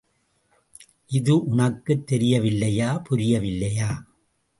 இது உனக்குத் தெரியவில்லையா, புரியவில்லையா?